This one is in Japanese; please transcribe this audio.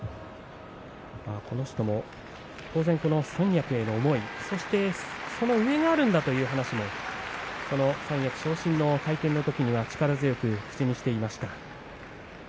この人も当然三役への思いそして、その上があるんだという話も三役昇進の会見のときには力強く口にしていました。